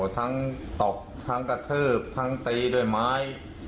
ตบทั้งกระทืบทั้งตีด้วยไม้